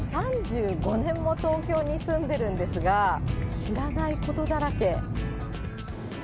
３５年も東京に住んでるんですが、知らないことだらけ。